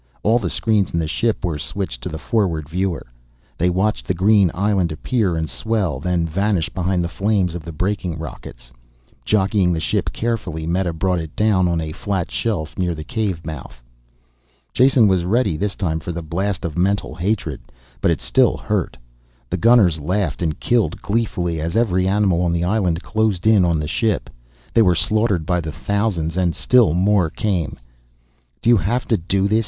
All the screens in the ship were switched to the forward viewer. They watched the green island appear and swell, then vanish behind the flames of the braking rockets. Jockeying the ship carefully, Meta brought it down on a flat shelf near the cave mouth. Jason was ready this time for the blast of mental hatred but it still hurt. The gunners laughed and killed gleefully as every animal on the island closed in on the ship. They were slaughtered by the thousands, and still more came. "Do you have to do this?"